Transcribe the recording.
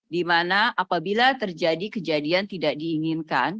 di mana apabila terjadi kejadian tidak diinginkan